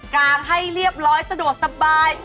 งให้เรียบร้อยสะดวกสบาย